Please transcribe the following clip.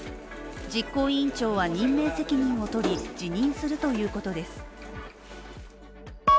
実行委員長は任命責任を取り辞任するということです。